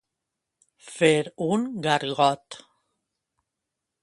Fer un gargot.